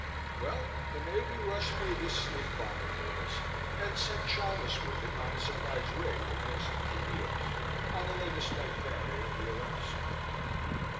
"Well, the Navy rushed through this sneak bomb of theirs and sent Chalmis with it on a surprise raid against the Kuriles, on the latest light carrier, the Alaska."